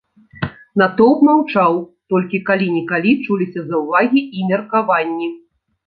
Натоўп маўчаў, толькі калі-нікалі чуліся заўвагі і меркаванні.